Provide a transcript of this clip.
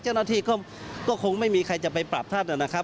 เจ้าหน้าที่ก็คงไม่มีใครจะไปปรับท่านนะครับ